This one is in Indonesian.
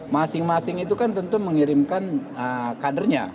masing masing itu kan tentu mengirimkan kadernya